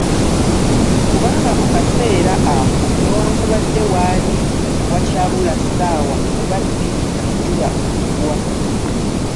Kubanga mu kaseera, ako newakubadde waali wakyabula ssaawa oba bbiri enjuba okugwa.